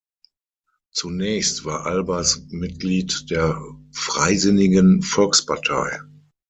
Zunächst war Albers Mitglied der Freisinnigen Volkspartei.